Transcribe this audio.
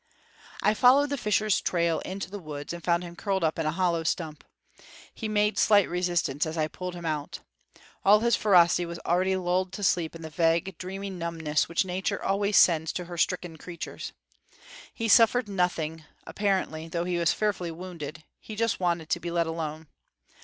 I followed the fisher's trail into the woods and found him curled up in a hollow stump. He made slight resistance as I pulled him out. All his ferocity was already lulled to sleep in the vague, dreamy numbness which Nature always sends to her stricken creatures. He suffered nothing, apparently, though he was fearfully wounded; he just wanted to be let alone.